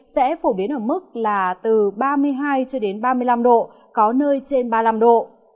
sẽ phổ biến ở mức là từ ba mươi hai cho đến ba mươi năm độ có nơi trên ba mươi năm độ